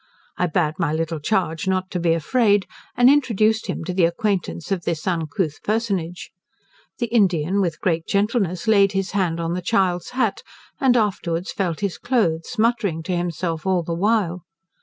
I bade my little charge not to be afraid, and introduced him to the acquaintance of this uncouth personage. The Indian, with great gentleness, laid his hand on the child's hat, and afterwards felt his cloaths, muttering to himself all the while.